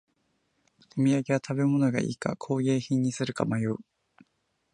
お土産は食べ物がいいか工芸品にするか迷う